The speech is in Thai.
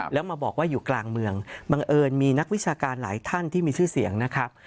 แล้วมาบอกว่าอยู่กลางเมืองบังเอิญมีนักวิชาการหลายท่านที่มีชื่อเสียงนะครับ